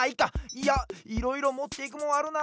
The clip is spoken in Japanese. いやいろいろもっていくもんあるな。